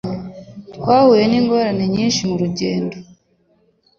Twahuye ningorane nyinshi murugendo